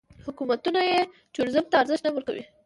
حکومتونه یې ټوریزم ته ارزښت نه ورکوي.